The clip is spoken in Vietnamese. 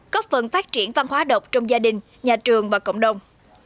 có phần phát triển văn hóa độc trong gia đình nhà trường và cộng đồng